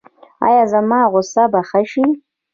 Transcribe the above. ایا زما غوسه به ښه شي؟